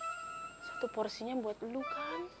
satu porsinya buat lu kan